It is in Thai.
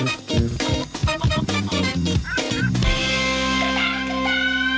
สวัสดีค่ะ